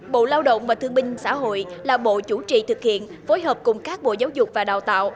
bộ lao động và thương binh xã hội là bộ chủ trì thực hiện phối hợp cùng các bộ giáo dục và đào tạo